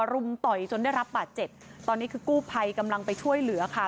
รุมต่อยจนได้รับบาดเจ็บตอนนี้คือกู้ภัยกำลังไปช่วยเหลือค่ะ